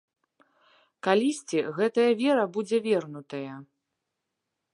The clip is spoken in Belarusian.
Калісьці гэтая вера будзе вернутая.